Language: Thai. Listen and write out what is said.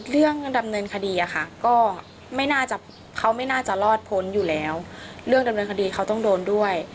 เรื่องดำเนินคดีอะค่ะก็ไม่น่าจะเขาไม่น่าจะรอดพ้นอยู่แล้วเรื่องดำเนินคดีเขาต้องโดนด้วย